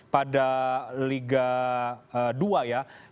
pada liga dua ya